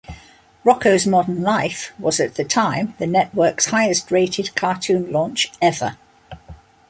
"Rocko's Modern Life" was at the time the network's highest-rated cartoon launch ever.